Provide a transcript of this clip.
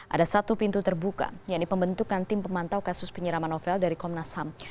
ada satu pintu terbuka yaitu pembentukan tim pemantau kasus penyiraman novel dari komnas ham